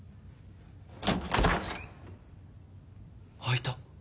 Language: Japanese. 開いた。